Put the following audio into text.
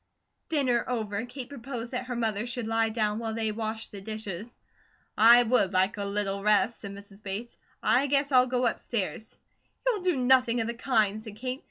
Dinner over, Kate proposed that her mother should lie down while they washed the dishes. "I would like a little rest," said Mrs. Bates. "I guess I'll go upstairs." "You'll do nothing of the kind," said Kate.